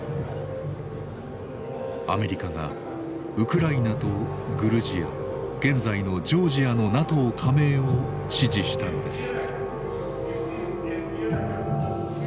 アメリカがウクライナとグルジア現在のジョージアのＮＡＴＯ加盟を支持したのです。